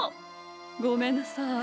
ごめんなさい。